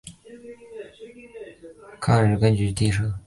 盐阜抗日根据地设。